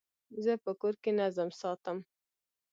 زه په کور کي نظم ساتم.